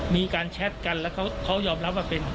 มีการแชทกันแล้วเขาเขายอมรับว่าเป็นนะคะ